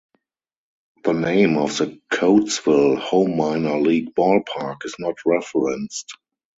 The name of the Coatesville home minor league ballpark is not referenced.